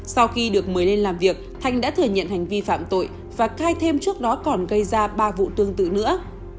sau khi được mời lên làm việc thanh đã thừa nhận hành vi phạm tội và cai thêm trước đó còn gây ra ba vụ tương tự nữa